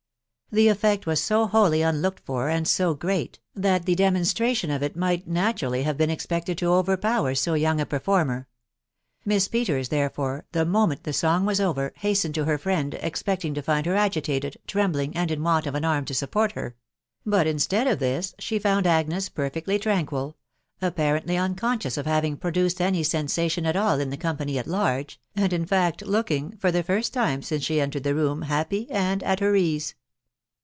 The effect was so wholly unlooked for, and so great, that the demonstration of it might naturally have been expected to overpower so young a performer ; Miss Peters, therefore, the moment the song was over, hastened to her friend, expecting to find her agitated, trembling, and in want of an arm to support her; but instead of this she found Agnes per fectly tranquil .... apparently unconscious of having pro dueed any sensation at all in the tom^M^ «X \ax^ «&&> y& * 3 246 THE WIDOW BARNABT. fact looking, for the first time since she entered die room, happy and at her ease.